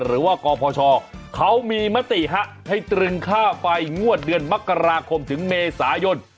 หรือว่ากพชเขามีมติให้ตรึงค่าไฟงวดเดือนมกราคมถึงเมษายน